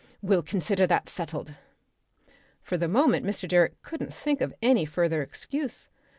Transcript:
We'll consider that settled." For the moment Mr. Direck couldn't think of any further excuse.